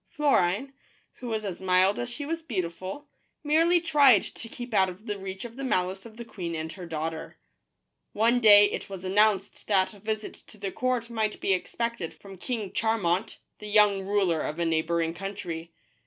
Florine, who was as mild as she was beautiful, merely tried to keep out of the reach of the malice of the queen and her daughter. One day it was announced that a visit to the court might be expected from King Charmant, the young ruler of a neighboring country.